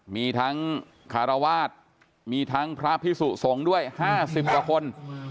มีทั้งคารวาสมีทั้งพระพิสุสงฆ์ด้วย๕๐กว่าคน